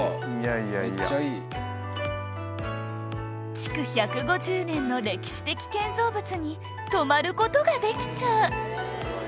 築１５０年の歴史的建造物に泊まる事ができちゃう！